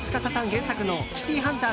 原作の「シティーハンター」